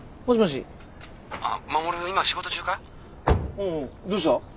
おうどうした？